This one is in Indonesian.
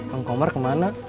kang komar kemana